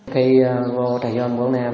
khi vô thời gian buổi năm